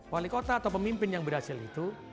wali kota atau pemimpin yang berhasil itu